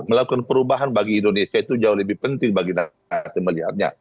melakukan perubahan bagi indonesia itu jauh lebih penting bagi nasib nasib miliarnya